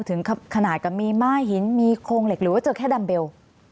ถึงขนาดกับมีม้าหินมีโครงเหล็กหรือว่าเจอแค่ดัมเบล